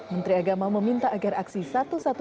menteri agama meminta agama untuk berangkat ke jakarta